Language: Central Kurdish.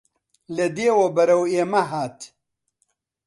لە دێوە بەرەو ئێمە هاتن